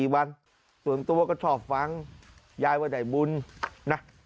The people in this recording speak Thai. ๔วันส่วนตัวก็ชอบฟังยายว่าได้บุญนะ